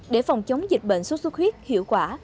để phòng chống dịch bệnh sốt xuất huyết hiệu quả